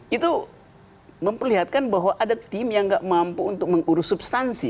itu memperlihatkan bahwa ada tim yang gak mampu untuk mengurus substansi